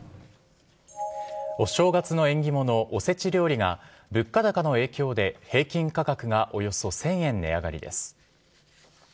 お正月の縁起物・おせち料理が物価高の影響で平均価格がおよそ１０００円値上がりです。